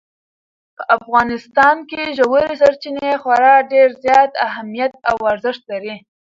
په افغانستان کې ژورې سرچینې خورا ډېر زیات اهمیت او ارزښت لري.